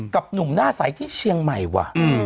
หนุ่มหน้าใสที่เชียงใหม่ว่ะ